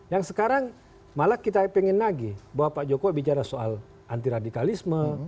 yang sekarang malah kita pengen nagih bahwa pak jokowi bicara soal anti radikalisme